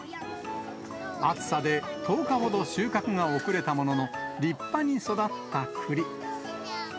暑さで１０日ほど収穫が遅れたものの、立派に育った栗。